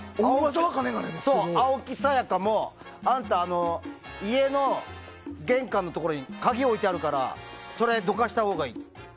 青木さやかもあんた家の玄関のところに鍵を置いてあるからそれをどかしたほうがいいって。